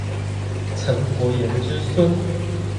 岑伯颜之孙。